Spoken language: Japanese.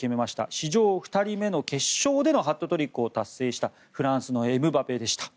史上２人目の、決勝でのハットトリックを達成したフランスのエムバペでした。